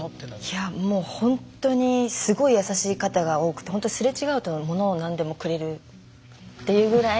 いやもうほんとにすごい優しい方が多くてほんとすれ違うと物を何でもくれるっていうぐらい。